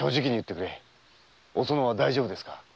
おそのは大丈夫ですか？